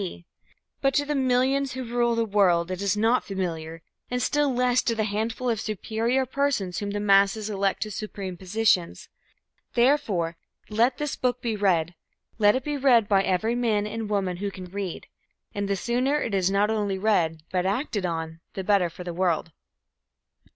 B. C. But to the millions who rule the world it is not familiar, and still less to the handful of superior persons whom the masses elect to supreme positions. Therefore, let this book be read; let it be read by every man and woman who can read. And the sooner it is not only read but acted on, the better for the world.